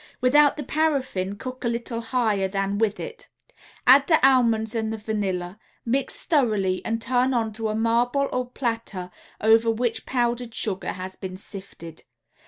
Without the paraffine cook a little higher than with it. Add the almonds and the vanilla, mix thoroughly and turn onto a marble or platter over which powdered sugar has been sifted.